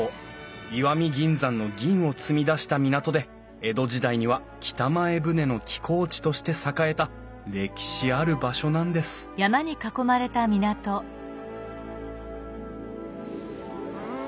石見銀山の銀を積み出した港で江戸時代には北前船の寄港地として栄えた歴史ある場所なんですうん！